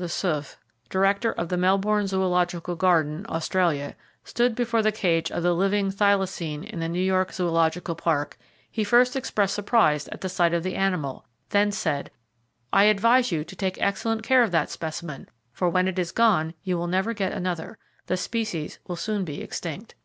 Le Souef, Director of the Melbourne Zoological Garden (Australia), stood before the cage of the living thylacine in the New York Zoological Park, he first expressed surprise at the sight of the animal, then said: "I advise you to take excellent care of that specimen; for when it is gone, you never will get another. The species soon will be extinct."